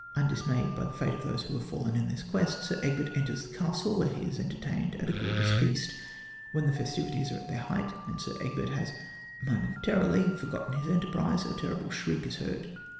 Undismayed by the fate of those who have fallen in the quest, Sir Egbert enters the castle, where he is entertained at a gorgeous feast. When the festivities are at their height, and Sir Egbert has momentarily forgotten his enterprise, a terrible shriek is heard.